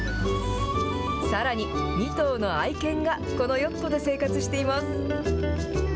さらに２頭の愛犬がこのヨットで生活しています。